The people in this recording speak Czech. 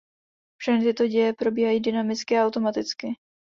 Všechny tyto děje probíhají dynamicky a automaticky.